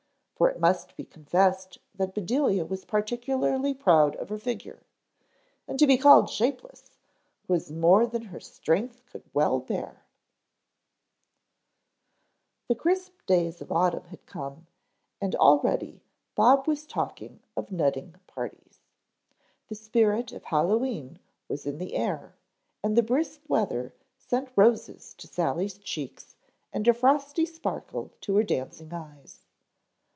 For it must be confessed that Bedelia was particularly proud of her figure, and to be called shapeless was more than her strength could well bear. The crisp days of Autumn had come and already Bob was talking of nutting parties. The spirit of Hallowe'en was in the air and the brisk weather sent roses to Sally's cheeks and a frosty sparkle to her dancing eyes.